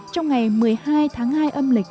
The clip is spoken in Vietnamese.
trong ngày một mươi hai tháng hai âm lịch